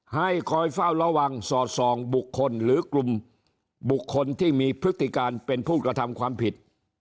ให้คอยเฝ้าระวังสอดส่องบุคคลหรือกลุ่มบุคคลที่มีพฤติการเป็นผู้กระทำความผิด